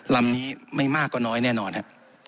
ลำนี้ไม่มากกว่าน้อยแน่นอนฮะ